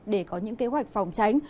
để có những kế hoạch phòng tránh